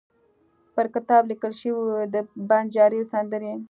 پر کتاب لیکل شوي وو: د بنجاري سندرې.